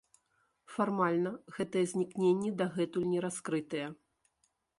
Фармальна, гэтыя знікненні дагэтуль не раскрытыя.